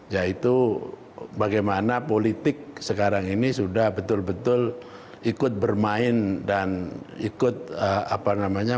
yaitu bagaimana politik sekarang ini sudah betul betul ikut bermain dan ikut apa namanya